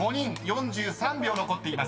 ４３秒残っています］